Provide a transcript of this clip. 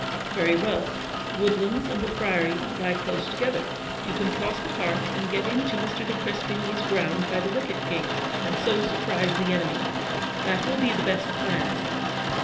"Very well; Woodlands and the Priory lie close together. You can cross the park and get into Mr. de Crespigny's grounds by the wicket gate, and so surprise the enemy. That will be the best plan."